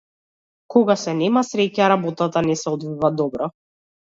Кога се нема среќа работата не се одвива добро.